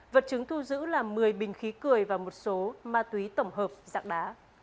vật chứng thu giữ là một mươi bình khí cười và một số ma túy tổng hợp dạng đá